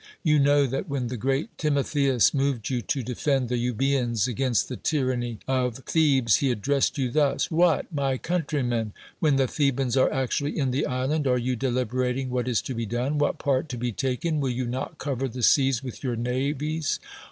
You know that when the great Timotheus moved you to defend th(3 Euljo^ans against th(^ tyranny of Thebes, he addressed you thus : "What, my coun trymen ! when th(! Thebans are actiuilly in the island, are you deliberating what is to be done? what part to be taken? Will you not cover the seas with your navies?